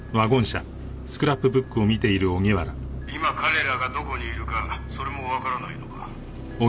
「今彼らがどこにいるかそれもわからないのか」